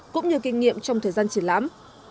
cũng như kinh nghiệm trong thời gian triển lãm